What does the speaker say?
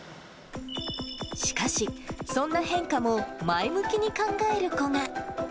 しかし、そんな変化も前向きに考える子が。